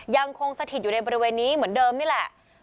ยังคงสถิตอยู่ในบริเวณนี้เหมือนเดิมนี่แหละ